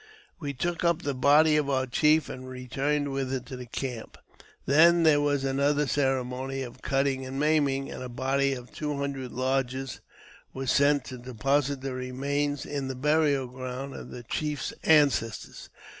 We took up the body of our chief and returned with it to i the camp. Then there was another ceremony of cutting and ; maiming, and a body of two hundred lodges was sent to deposit the remains in the burial ground of the chief's ances tors.